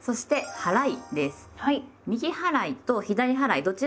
はい。